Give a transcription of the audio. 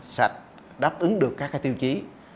sạch đáp ứng được các tiêu chí